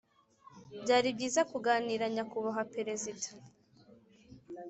byari byiza kuganira nyakubahwa perezida